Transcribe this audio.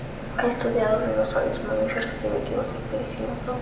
Ha estudiado dinosaurios, mamíferos primitivos y plesiosaurios.